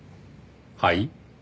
はい？